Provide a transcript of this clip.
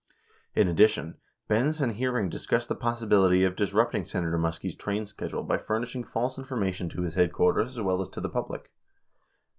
7 In addition, Benz and Hearing discussed the possibility of disrupt ing Senator Muskie's train schedule by furnishing false information to his headquarters as well as to the public.